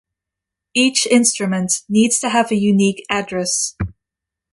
Each instrument needs to have a unique address.